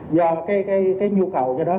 do cái nhu cầu đó